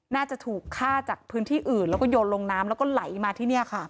น่าจะถูกฆ่าจากพื้นที่อื่นแล้วก็โยนลงน้ำแล้วก็ไหลมาที่นี่ค่ะ